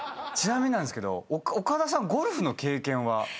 ちなみになんですけど岡田さんゴルフの経験は？